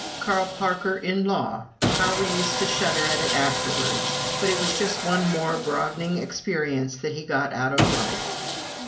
Carl Parker in law! How we used to shudder at it afterwards; but it was just one more broadening experience that he got out of life.